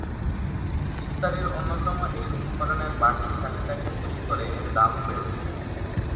ইফতারির অন্যতম এই উপকরণের বাড়তি চাহিদাকে পুঁজি করে এর দামও বেড়েছে।